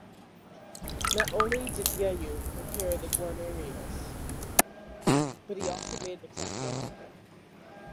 Not only did Vuillaume repair the Guarnerius, but he also made an exact replica.